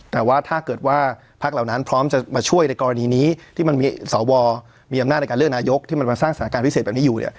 แต่ว่าถ้าเกิดว่าพักเหล่านั้นพร้อมจะมาช่วยในกรณีนี้ที่มันมีสวมีอำนาจในการเลือกนายกที่มันมาสร้างสถานการณ์พิเศษแบบนี้อยู่เนี่ย